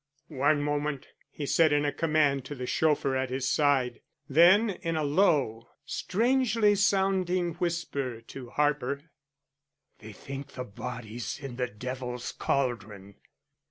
"One moment," he said in a command to the chauffeur at his side. Then in a low, strangely sounding whisper to Harper: "They think the body's in the Devil's Cauldron.